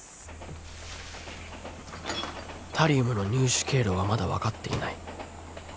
「タリウムの入手経路はまだ分かっていない」